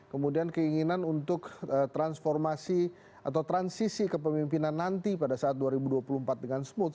kemudian keinginan untuk transformasi atau transisi kepemimpinan nanti pada saat dua ribu dua puluh empat dengan smooth